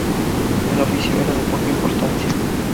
El oficio era de poca importancia.